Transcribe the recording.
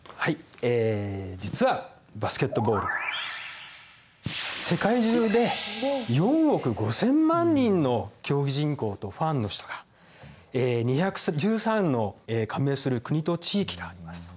え実はバスケットボール世界中で４億５，０００万人の競技人口とファンの人が２１３の加盟する国と地域があります。